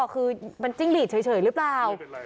คือมันจิ้งหลีดเฉยหรือเปล่า